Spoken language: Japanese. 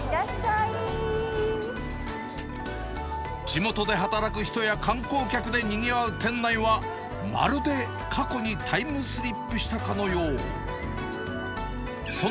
地元で働く人や観光客でにぎわう店内は、まるで過去にタイムスリップしたかのよう。